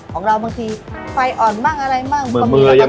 บางทีไฟอ่อนบ้างอะไรบ้าง